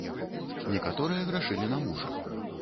Некаторыя грашылі на мужа.